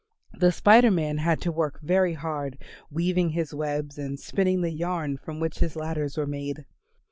The Spider Man had to work very hard, weaving his webs, and spinning the yarn from which his ladders were made.